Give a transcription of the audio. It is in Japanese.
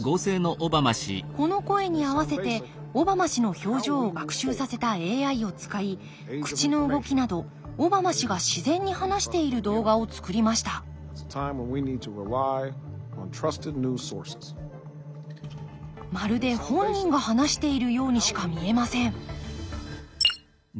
この声に合わせてオバマ氏の表情を学習させたＡＩを使い口の動きなどオバマ氏が自然に話している動画をつくりましたまるで本人が話しているようにしか見えません